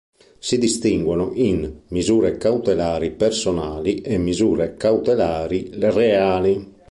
Si distinguono in misure cautelari personali e misure cautelari reali.